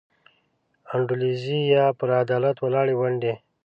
انډولیزي یا پر عدالت ولاړې ونډې.